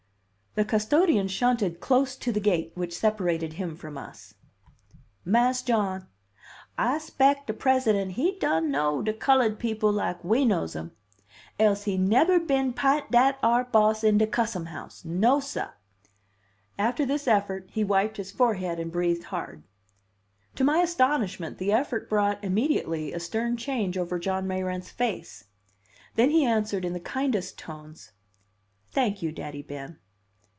The custodian shunted close to the gate which separated him from us. "Mas' John, I speck de President he dun' know de cullud people like we knows 'um, else he nebber bin 'pint dat ar boss in de Cussum House, no, sah." After this effort he wiped his forehead and breathed hard. To my astonishment, the effort brought immediately a stern change over John Mayrant's face; then he answered in the kindest tones, "Thank you, Daddy Ben."